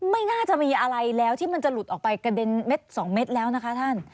ไม่น่าจะมีอะไรแล้วที่มันจะหลุดออกไปกระเด็นเม็ดสองเม็ดแล้วนะคะท่าน